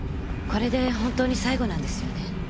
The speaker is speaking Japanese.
これで本当に最後なんですよね？